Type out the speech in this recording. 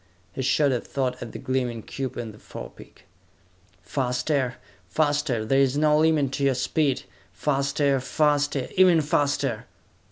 He shot a thought at the gleaming cube in the forepeak. "Faster! Faster! There is no limit to your speed! Faster! Faster! Even faster!"